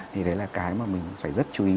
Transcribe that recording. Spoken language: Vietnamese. thì đấy là cái mà mình phải rất chú ý